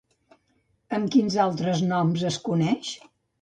Amb quins altres noms es coneix?